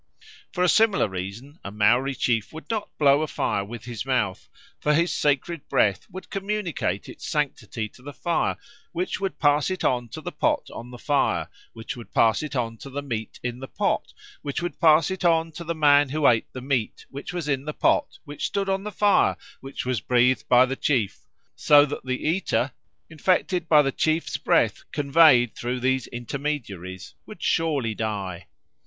For a similar reason a Maori chief would not blow a fire with his mouth; for his sacred breath would communicate its sanctity to the fire, which would pass it on to the pot on the fire, which would pass it on to the meat in the pot, which would pass it on to the man who ate the meat, which was in the pot, which stood on the fire, which was breathed on by the chief; so that the eater, infected by the chief's breath conveyed through these intermediaries, would surely die.